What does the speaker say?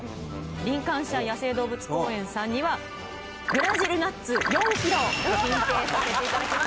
リンカンシャー野生動物公園さんにはブラジルナッツ４ｋｇを進呈させていただきます